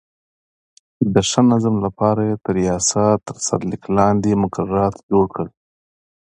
د ښه نظم لپاره یې د یاسا تر سرلیک لاندې مقررات جوړ کړل.